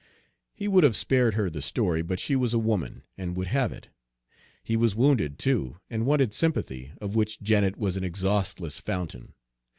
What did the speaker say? He would have spared her the story, but she was a woman, and would have it. He was wounded, too, and wanted sympathy, of which Janet was an exhaustless fountain.